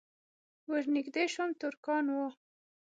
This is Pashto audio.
ور نږدې شوم ترکان وو.